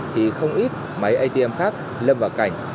thì không ít máy atm khác lâm vào cảnh